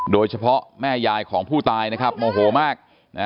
โดยเฉพาะแม่ยายของผู้ตายนะครับโมโหมาก